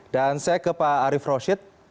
dan saya ke pak arief roshid